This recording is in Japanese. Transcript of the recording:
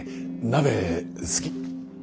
鍋好き？